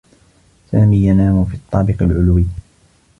سامي ينام في الطّابق العلوي.